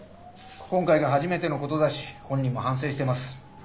今回が初めてのことだし本人も反省してます。